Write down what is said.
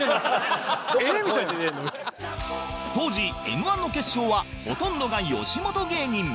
当時 Ｍ−１ の決勝はほとんどが吉本芸人